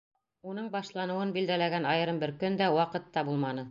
Уның башланыуын билдәләгән айырым бер көн дә, ваҡыт та булманы.